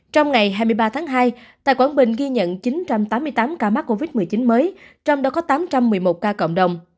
trong ngày hai mươi ba tháng hai tại quảng bình ghi nhận chín trăm tám mươi tám ca mắc covid một mươi chín mới trong đó có tám trăm một mươi một ca cộng đồng